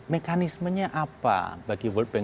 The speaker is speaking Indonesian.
mekanismenya apa bagi world bank dan imf